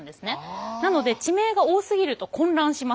なので地名が多すぎると混乱します。